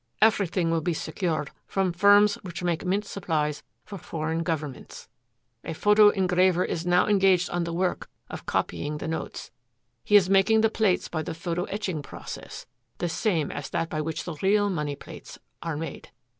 "Everything will be secured from firms which make mint supplies for foreign governments. A photo engraver is now engaged on the work of copying the notes. He is making the plates by the photo etching process the same as that by which the real money plates are made.